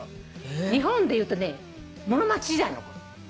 日本でいうとね室町時代のころ。